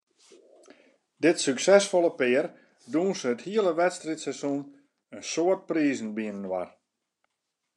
Dit suksesfolle pear dûnse it hiele wedstriidseizoen in soad prizen byinoar.